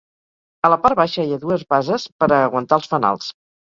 A la part baixa hi ha dues bases per a aguantar els fanals.